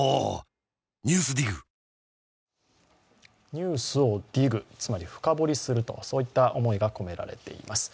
ニュースをＤＩＧ、つまり深掘りすると、そういった思いが込められています。